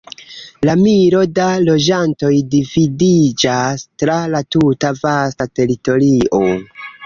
La milo da loĝantoj dividiĝas tra la tuta vasta teritorio.